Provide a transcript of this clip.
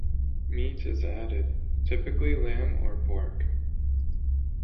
Meat is added, typically lamb or pork.